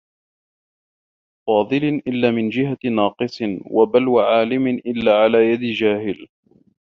فَاضِلٍ إلَّا مِنْ جِهَةِ نَاقِصٍ ، وَبَلْوَى عَالِمٍ إلَّا عَلَى يَدِ جَاهِلٍ